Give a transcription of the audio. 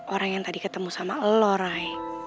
orang yang tadi ketemu sama lo ray